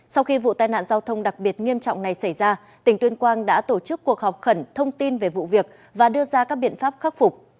sau khi vụ tai nạn giao thông đặc biệt nghiêm trọng này xảy ra tỉnh tuyên quang đã tổ chức cuộc họp khẩn thông tin về vụ việc và đưa ra các biện pháp khắc phục